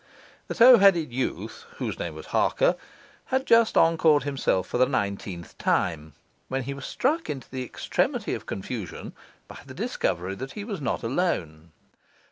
The tow headed youth (whose name was Harker) had just encored himself for the nineteenth time, when he was struck into the extreme of confusion by the discovery that he was not alone.